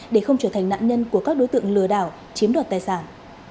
để không trở thành nạn nhân của các đối tượng lừa đảo chiếm đoạt tài sản